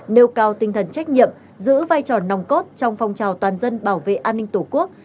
nêu cao tinh thần trách nhiệm giữ vai trò nòng cốt trong phong trào toàn dân bảo vệ an ninh tổ quốc